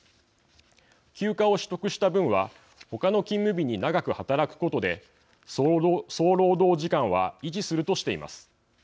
休暇を取得した分は他の勤務日に長く働くことで総労働時間は維持するとしています。